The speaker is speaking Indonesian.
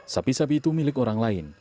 sapi sapi itu milik orang lain